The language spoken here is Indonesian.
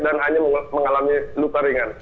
dan hanya mengalami luka ringan